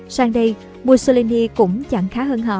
sang đây mussolini cũng chẳng khá hơn họ